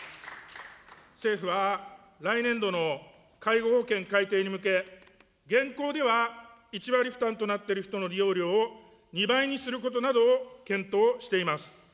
政府は、来年度の介護保険改定に向け、現行では１割負担となっている人の利用料を２倍にすることなどを検討しています。